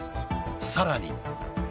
さらに。